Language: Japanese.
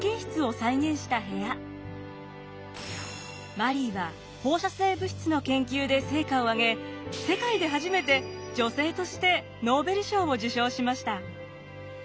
マリーは放射性物質の研究で成果を上げ世界で初めて女性としてノーベル賞を受賞しました。